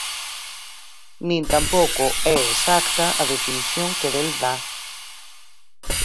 Nin tampouco é exacta a definición que del dá.